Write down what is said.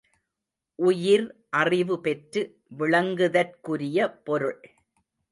உயிர் அறிவுபெற்று விளங்குதற்குரிய பொருள்.